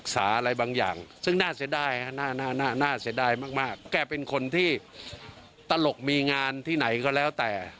แกเป็นคนที่ตลกมีงานที่ไหนก็แล้วแต่